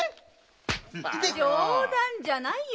冗談じゃないよ！